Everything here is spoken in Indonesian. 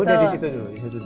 iya udah disitu dulu